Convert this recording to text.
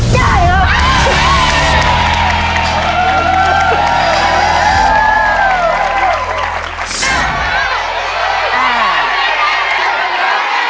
ได้หรือไม่ได้